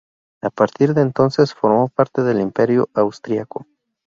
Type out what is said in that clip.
A partir de entonces, formó parte del Imperio austríaco.